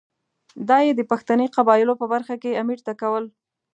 دا یې د پښتني قبایلو په برخه کې امیر ته کول.